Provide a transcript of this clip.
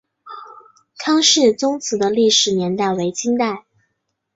康氏宗祠的历史年代为清代。